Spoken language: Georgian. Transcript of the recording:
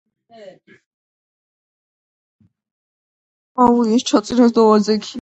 შუბლსა და ლოყებზე ოფლი ჩამოსდიოდა.